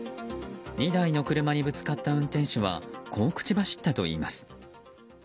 ２台の車にぶつかった運転手はこう口走ったといいます。